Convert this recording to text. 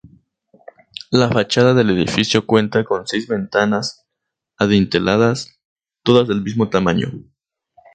La fachada del edificio cuenta con seis ventanas adinteladas, todas del mismo tamaño.